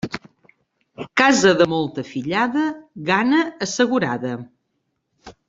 Casa de molta fillada, gana assegurada.